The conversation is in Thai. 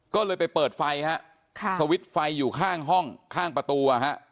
ก็เลยไปเปิดไฟฮะสวิตช์ไฟอยู่ข้างห้องข้างประตู